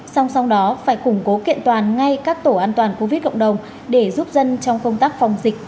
song song đó phải củng cố kiện toàn ngay các tổ an toàn covid cộng đồng để giúp dân trong công tác phòng dịch